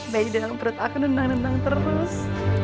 bayi di dalam perut aku nendang nendang terus